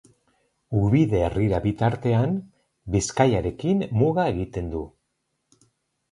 Ubide herrira bitartean Bizkaiarekin muga egiten du.